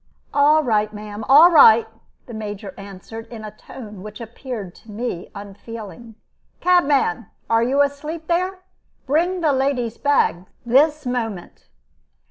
"All right, ma'am, all right!" the Major answered, in a tone which appeared to me unfeeling. "Cabman, are you asleep there? Bring the lady's bag this moment."